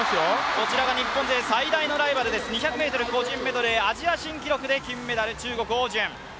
こちらが日本の最大のライバルです、２００ｍ個人メドレー金メダル、アジア新記録で金メダル、中国、汪順。